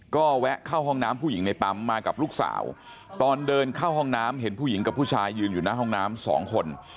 ก็แวะเข้าห้องน้ำผู้หญิงในปั๊มมากับลูกสาวตอนเดินเข้าห้องน้ำเห็นผู้หญิงกับผู้ชายยืนอยู่หน้าห้องน้ำสองคน